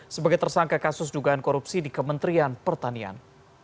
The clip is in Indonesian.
sebagai tersangka kasus dugaan korupsi di kementerian pertanian